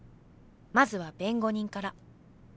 まずは弁護人から。